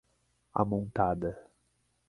Amontada